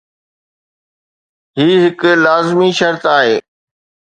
هي هڪ لازمي شرط آهي.